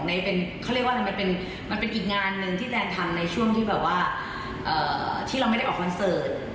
เขาเรียกว่ามันเป็นอีกงานหนึ่งที่แนนทำในช่วงที่แบบว่าที่เราไม่ได้ออกคอนเสิร์ต